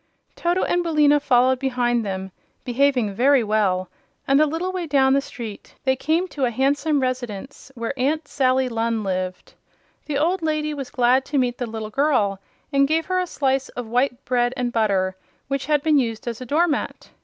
Toto and Billina followed behind them, behaving very well, and a little way down the street they came to a handsome residence where Aunt Sally Lunn lived. The old lady was glad to meet the little girl and gave her a slice of white bread and butter which had been used as a door mat.